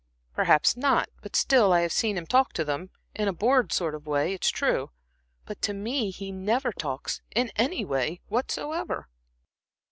"Perhaps not; but still I have seen him talk to them in a bored sort of way, it is true. But to me he never talks, in any way whatsoever."